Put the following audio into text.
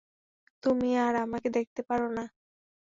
তুমিই আর আমাকে দেখতে পারো না।